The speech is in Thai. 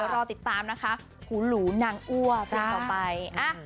เดี๋ยวรอติดตามนะคะกูหลูนางอั่วเสียงต่อไป